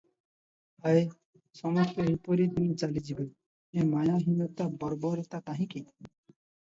ହାୟ! ସମସ୍ତେ ଏହିପରି ଦିନେ ଚାଲିଯିବେ- ଏମାୟା, ହୀନତା, ବର୍ବରତା କାହିଁକି?